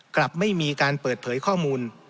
กลับไม่มีการเปิดเผยข้อมูล